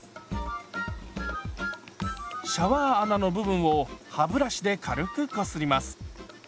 シャワー穴の部分を歯ブラシで軽くこすります。